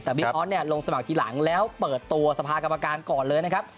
แต่บิ๊กออสเนี่ยลงสมัครทีหลังแล้วเปิดตัวสภากรรมการก่อนเลยนะครับ